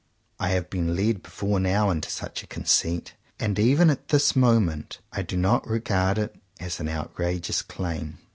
I have been led, before now, into such a conceit; and even at this moment I do not regard it as an outrageous claim.